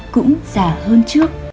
cũng già hơn trước